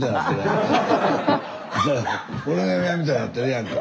俺の嫁はんみたいになってるやんか。